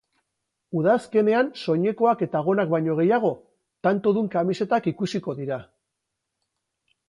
Udazkenean soinekoak eta gonak baino gehiago, tantodun kamisetak ikusiko dira.